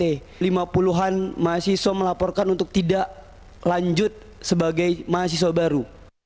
ini lima puluh an mahasiswa melaporkan untuk tidak lanjut sebagai mahasiswa baru